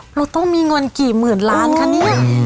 เราต้องมีเงินกี่หมื่นล้านคะเนี่ย